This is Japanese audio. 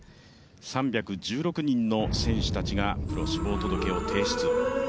３１６人の選手たちがプロ志望届を提出。